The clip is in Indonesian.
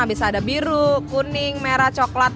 bisa ada biru kuning merah coklat